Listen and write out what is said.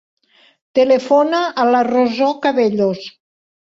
Telefona a la Rosó Cabellos.